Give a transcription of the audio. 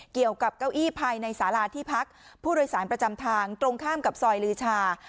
เก้าอี้ภายในสาราที่พักผู้โดยสารประจำทางตรงข้ามกับซอยลือชา